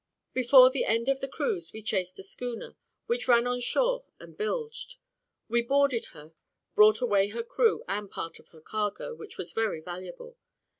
Before the end of the cruise, we chased a schooner, which ran on shore and bilged; we boarded her, brought away her crew and part of her cargo, which was very valuable.